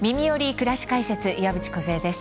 くらし解説」岩渕梢です。